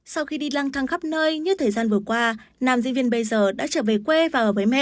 sau khi đi lăng thăng khắp nơi như thời gian vừa qua nam diễn viên bây giờ đã trở về quê và ở với mẹ